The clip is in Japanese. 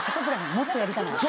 もっとやりたない？